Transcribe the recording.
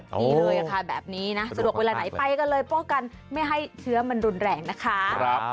นี่เลยค่ะแบบนี้นะสะดวกเวลาไหนไปกันเลยป้องกันไม่ให้เชื้อมันรุนแรงนะคะ